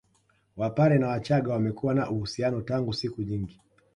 Wapare na wachaga wamekuwa na uhusiano tangu siku nyingi